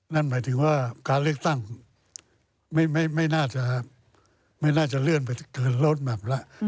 นั่นหมายถึงว่าการเลือกตั้งไม่น่าจะเลื่อนไปเกินลดแบบละ